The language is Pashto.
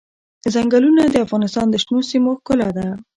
ځنګلونه د افغانستان د شنو سیمو ښکلا ده.